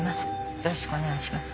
よろしくお願いします。